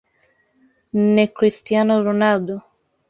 NneChristiano Ronaldo